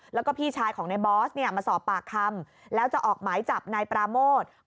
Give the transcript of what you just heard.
แล้วก็พี่ชายของในบอสเนี่ยมาสอบปากคำแล้วจะออกหมายจับนายปราโมท